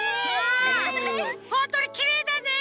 ほんとにきれいだね！